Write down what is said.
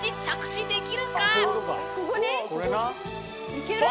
いける？